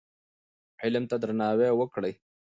علم ته درناوی وکړئ.